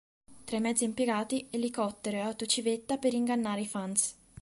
Tra i mezzi impiegati, elicotteri e auto-civetta per ingannare i fans.